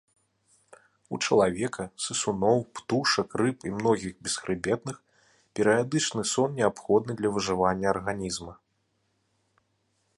У чалавека, сысуноў, птушак, рыб і многіх бесхрыбетных, перыядычны сон неабходны для выжывання арганізма.